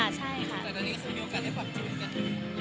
แต่ตอนนี้มีโอกาสให้ปรับจูนกัน